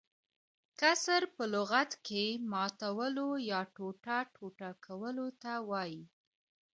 کسر په لغت کښي ماتولو يا ټوټه - ټوټه کولو ته وايي.